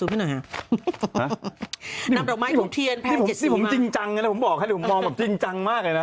หึน้ำดอกไม้กลบเทียนแพ้๗นิ้วมากนี่ผมจริงจังเลยผมบอกให้ดูมองจริงจังมากเลยนะ